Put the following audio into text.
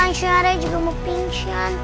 sama syarul juga mau pingsan